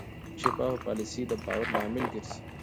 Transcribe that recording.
شفاف پالیسي د باور لامل ګرځي.